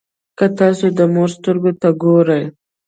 که تاسو د مور سترګو ته وګورئ.